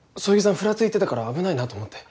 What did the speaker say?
ふらついてたから危ないなと思って。